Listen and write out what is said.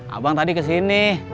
abang tadi kesini